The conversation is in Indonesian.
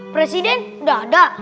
presiden udah ada